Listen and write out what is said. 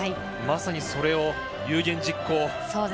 まさに、それを有言実行。